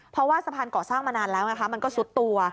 เพราะว่าสะพานก่อสร้างมานานแล้วไงคะมันก็ซุดตัว